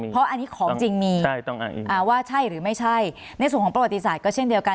เพราะอันนี้ของจริงมีว่าใช่หรือไม่ใช่ในส่วนของประวัติศาสตร์ก็เช่นเดียวกัน